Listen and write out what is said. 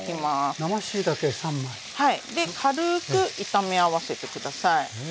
軽く炒め合わせて下さい。